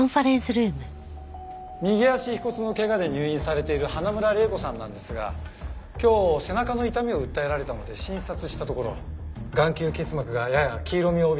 右足腓骨の怪我で入院されている花村玲子さんなんですが今日背中の痛みを訴えられたので診察したところ眼球結膜がやや黄色みを帯びていました。